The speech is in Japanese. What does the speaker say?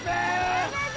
やめて！